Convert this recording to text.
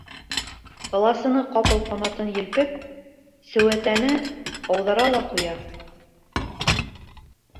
Ыласыны ҡапыл ҡанатын елпеп сеүәтәне ауҙара ла ҡуя.